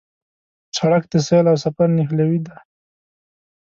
سړک د سیل او سفر نښلوی دی.